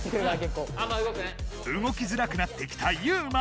動きづらくなってきたユウマ。